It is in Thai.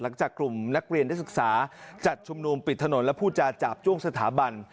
หลังจากกลุ่มนักเรียนนักศึกษาจัดชุมนุมปิดถนนและผู้จาจาบจ้วงสถาบัน